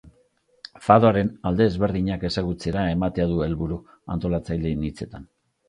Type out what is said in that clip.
Fadoaren alde ezberdinak ezagutzera ematea du helburu, antolatzaileen hitzetan.